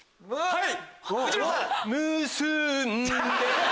はい！